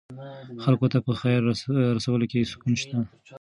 خلکو ته په خیر رسولو کې سکون شته.